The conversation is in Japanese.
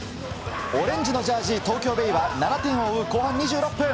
オレンジのジャージ、東京ベイは、７点を追う後半２６分。